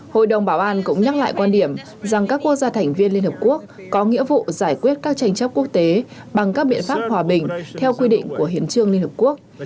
hội đồng bảo an cũng nhắc lại quan điểm rằng các quốc gia thành viên liên hợp quốc có nghĩa vụ giải quyết các tranh chấp quốc tế bằng các biện pháp hòa bình theo quy định của hiến trương liên hợp quốc